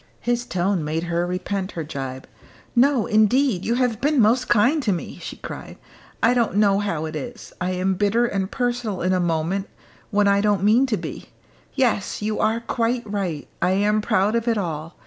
His tone made her repent her gibe. "No, indeed, you have been most kind to me," she cried. "I don't know how it is. I am bitter and personal in a moment when I don't mean to be. Yes! you are quite right. I am proud of it all.